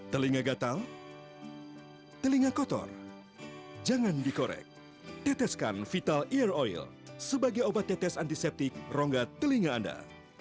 teteskan vital air oil sebagai obat tetes antiseptik rongga telinga anda